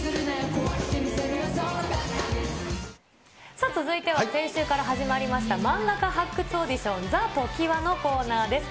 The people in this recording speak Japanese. さあ、続いては、先週から始まりました、漫画家発掘オーディション、ＴＨＥＴＯＫＩＷＡのコーナーです。